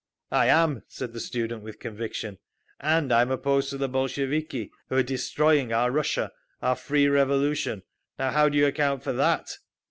"I am," said the student with conviction. "And I am opposed to the Bolsheviki, who are destroying our Russia, our free Revolution. Now how do you account for that?"